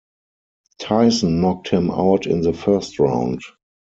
Tyson knocked him out in the first round.